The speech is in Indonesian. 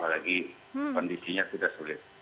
apalagi kondisinya sudah selesai